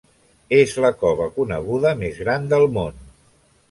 És la cova coneguda més gran del món.